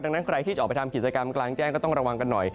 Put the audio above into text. ดังนั้นใครที่จะออกไปทำกิจกรรมกลางแจ้งก็ต้องระวังกันหน่อย